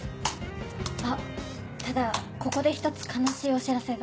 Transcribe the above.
あっただここで一つ悲しいお知らせが。